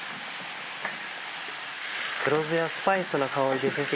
黒酢やスパイスの香りで先生